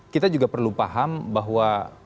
kita juga perlu paham bahwa